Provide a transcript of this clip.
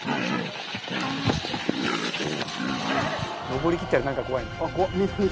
登り切ったら何か怖いね。